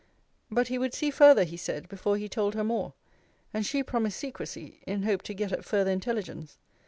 But he would see further, he said, before he told her more; and she promised secrecy, in hope to get at further intelligence.